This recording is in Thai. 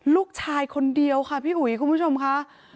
ลูกชายคนเดียวค่ะพี่อุ๋ยคุณผู้ชมค่ะ